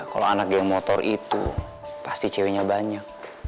kalau anak geng motor itu pasti ceweknya banyak